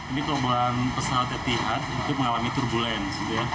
ini kelompok pesawat etihad itu mengalami turbulensi